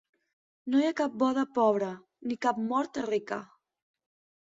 No hi ha cap boda pobra, ni cap mort rica.